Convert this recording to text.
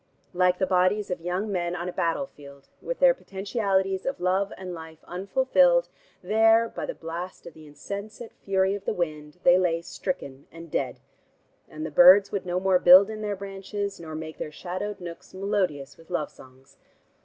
Like the bodies of young men on a battlefield, with their potentialities of love and life unfulfilled, there, by the blast of the insensate fury of the wind they lay stricken and dead, and the birds would no more build in their branches, nor make their shadowed nooks melodious with love songs.